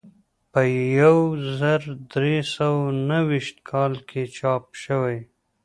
په یو زر درې سوه نهه ویشت کال کې چاپ شوی.